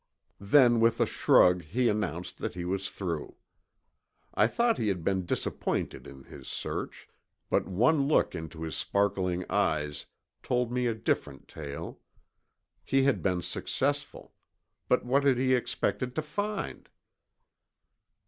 Then with a shrug he announced that he was through. I thought he had been disappointed in his search, but one look into his sparkling eyes told me a different tale. He had been successful, but what had he expected to find?